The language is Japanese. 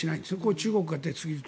中国が出すぎると。